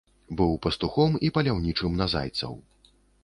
Быў пастухом і паляўнічым на зайцаў.